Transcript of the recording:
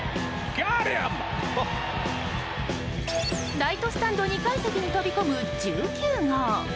ライトスタンド２階席に飛び込む１９号。